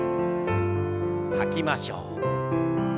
吐きましょう。